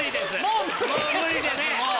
もう無理ですもう。